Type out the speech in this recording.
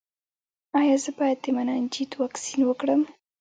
ایا زه باید د مننجیت واکسین وکړم؟